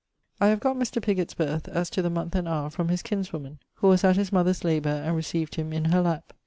I have got Mr. Pigot's birth, as to the month and howre from his kinswoman who was at his mother's labour and recieved him in her lapp.